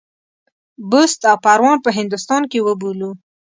بُست او پروان په هندوستان کې وبولو.